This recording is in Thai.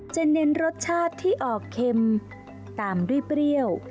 เน้นรสชาติที่ออกเค็มตามรีบเปรี้ยว